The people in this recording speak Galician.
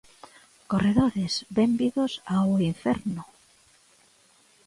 Corredores, benvidos ao inferno.